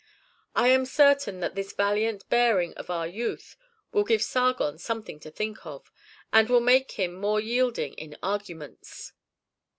I am certain that this valiant bearing of our youth will give Sargon something to think of, and will make him more yielding in arguments."